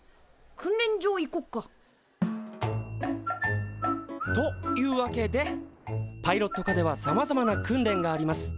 訓練場行こっか。というわけでパイロット科ではさまざまな訓練があります。